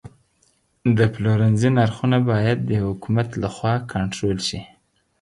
د پلورنځي نرخونه باید د حکومت لخوا کنټرول شي.